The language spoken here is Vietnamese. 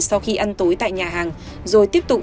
sau khi ăn tối tại nhà hàng rồi tiếp tục